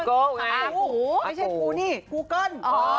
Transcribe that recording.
ไม่ใช่กูนี่กูเกิ้ล